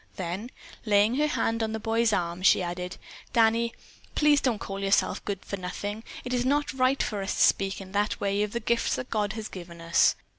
Then, laying her hand on the boy's arm, she added: "Danny, please don't call yourself good for nothing. It is not right for us to speak that way of the gifts that God has given us.